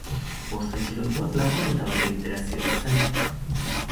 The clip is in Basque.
Bost atxilotuak lapurreta bat egitera zihoazen.